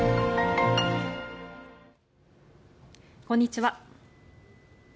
こんにちは。